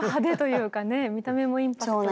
見た目のインパクトが。